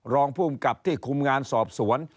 รองภูมิกับที่คุมงานสอบสวน